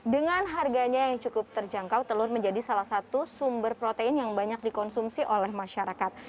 dengan harganya yang cukup terjangkau telur menjadi salah satu sumber protein yang banyak dikonsumsi oleh masyarakat